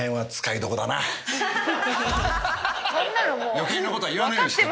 余計なことは言わないようにしてる。